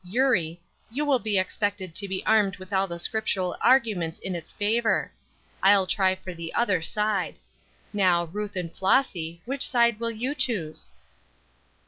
Eurie, you will be expected to be armed with all the Scriptural arguments in its favor. I'll try for the other side. Now, Ruth and Flossy, which side will you choose?"